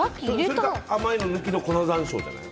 それか甘いの抜きの粉山椒じゃない？